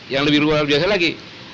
yang lebih luar biasa lagi